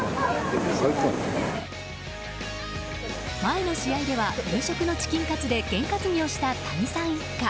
前の試合では夕食のチキンカツで験担ぎをした、谷さん一家。